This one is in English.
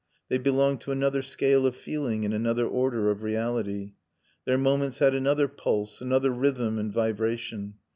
They belonged to another scale of feeling and another order of reality. Their moments had another pulse, another rhythm and vibration.